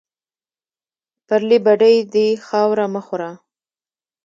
پرلې بډۍ دې خاورې مه خوره